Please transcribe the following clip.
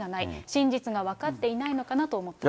真実が分かっていないのかなと思った。